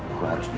aku harus pergi